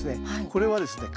これはですね